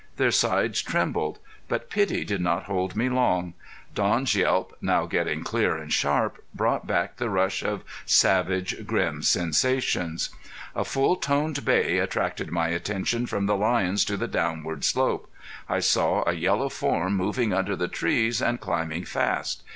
Their sides trembled. But pity did not hold me long; Don's yelp, now getting clear and sharp, brought back the rush of savage, grim sensations. A full toned bay attracted my attention from the lions to the downward slope. I saw a yellow form moving under the trees and climbing fast.